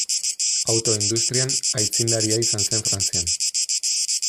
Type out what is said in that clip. Auto industrian aitzindaria izan zen Frantzian.